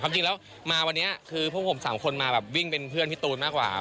จริงแล้วมาวันนี้คือพวกผม๓คนมาแบบวิ่งเป็นเพื่อนพี่ตูนมากกว่า